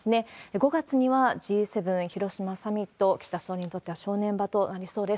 ５月にはＧ７広島サミット、岸田総理にとっては正念場となりそうです。